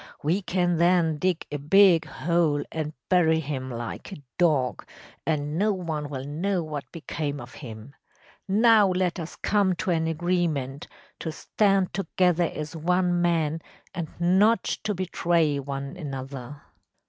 We can then dig a big hole and bury him like a dog, and no one will know what became of him. Now let us come to an agreement‚ÄĒto stand together as one man and not to betray one another.